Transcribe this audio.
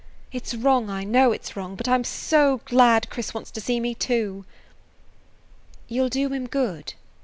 It 's wrong, I know it 's wrong, but I am so glad Chris wants to see me, too!" "You 'll do him good."